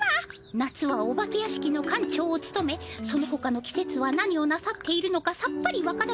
夏はお化け屋敷の館長をつとめそのほかのきせつは何をなさっているのかさっぱりわからない館長様。